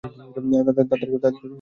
তাদেরকে ইসলামের দাওয়াত দিব।